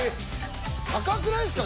高くないですか？